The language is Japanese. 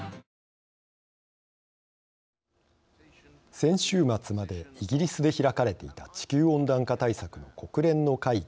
先週末までイギリスで開かれていた地球温暖化対策の国連の会議